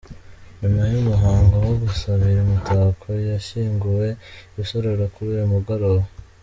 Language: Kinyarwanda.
Nyuma y’umuhango wo gusabira Umutako yashyinguwe i Rusororo kuri uyu mugoroba.